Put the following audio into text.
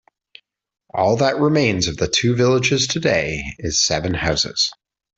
All that remains of the two villages today is seven houses.